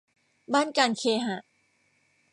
บ้านการเคหะ